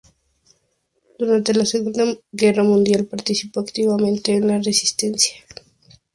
Durante la Segunda Guerra Mundial participó activamente en la Resistencia.